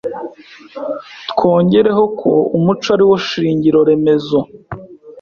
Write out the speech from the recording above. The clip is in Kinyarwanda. Twongereho ko umuco ari wo shingiro remezo